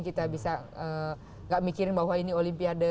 kita bisa nggak mikirin bahwa ini olimpiade